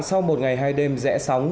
sau một ngày hai đêm rẽ sóng